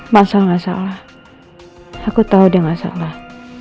masalah nggak salah aku tahu dia nggak salah